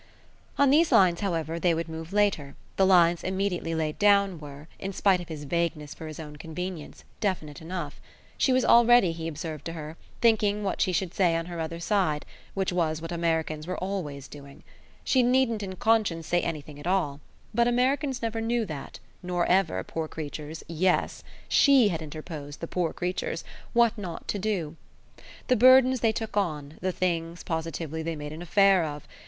On these lines, however, they would move later; the lines immediately laid down were, in spite of his vagueness for his own convenience, definite enough. She was already, he observed to her, thinking what she should say on her other side which was what Americans were always doing. She needn't in conscience say anything at all; but Americans never knew that, nor ever, poor creatures, yes (SHE had interposed the "poor creatures!") what not to do. The burdens they took on the things, positively, they made an affair of!